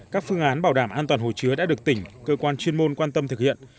các phương án bảo đảm an toàn hồ chứa đã được tỉnh cơ quan chuyên môn quan tâm thực hiện